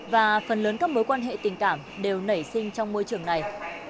và phần lớn các mối quan hệ tình cảm đều nảy sinh trong môi trường này